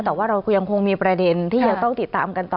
แต่ว่าเราก็ยังคงมีประเด็นที่ยังต้องติดตามกันต่อ